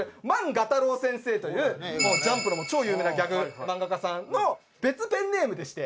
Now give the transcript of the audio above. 画太郎先生という『ジャンプ』の超有名なギャグ漫画家さんの別ペンネームでして。